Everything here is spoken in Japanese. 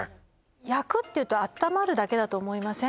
焼くっていうとあったまるだけだと思いません？